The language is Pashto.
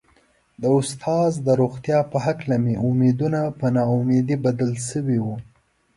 د استاد د روغتيا په هکله مې امېدونه په نا اميدي بدل شوي وو.